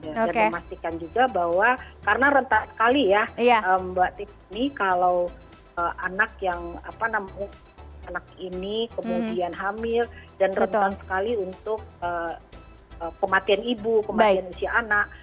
dan memastikan juga bahwa karena rentak sekali ya mbak tikni kalau anak yang apa namanya anak ini kemudian hamil dan rentak sekali untuk kematian ibu kematian usia anak